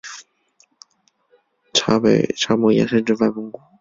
察北沙漠延伸至外蒙古。